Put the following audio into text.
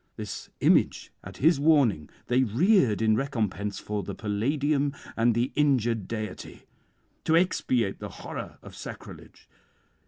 This image at his warning they reared in recompense for the Palladium and the injured deity, to expiate the horror of sacrilege.